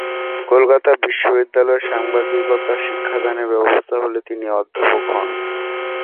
কলকাতা বিশ্ববিদ্যালয়ে সাংবাদিকতা শিক্ষাদানের ব্যবস্থা হলে তিনি অধ্যাপক হন।